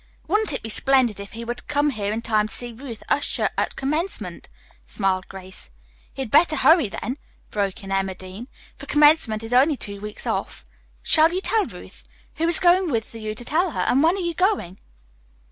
"Wouldn't it be splendid if he were to come here in time to see Ruth usher at commencement?" smiled Grace. "He'd better hurry, then," broke in Emma Dean, "for commencement is only two weeks off. Shall you tell Ruth? Who is going with you to tell her, and when are you going?"